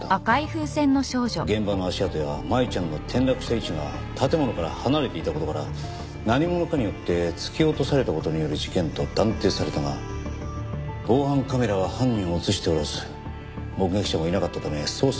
現場の足跡や舞ちゃんの転落した位置が建物から離れていた事から何者かによって突き落とされた事による事件と断定されたが防犯カメラは犯人を映しておらず目撃者もいなかったため捜査は難航。